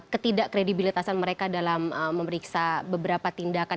ketidak kredibilitasan mereka dalam memeriksa beberapa tindakan